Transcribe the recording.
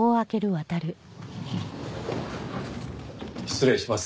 失礼します。